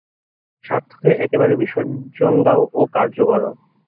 স্বার্থকে একেবারে বিসর্জন দাও ও কার্য কর।